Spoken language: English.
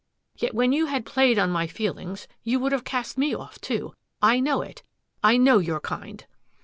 Yet when you had played on my feelings, you would have cast me off, too I know it; I know your kind."